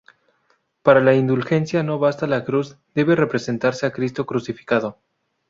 Para la indulgencia no basta la Cruz, debe representarse a Cristo crucificado.